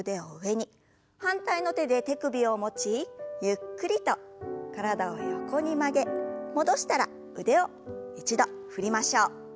反対の手で手首を持ちゆっくりと体を横に曲げ戻したら腕を一度振りましょう。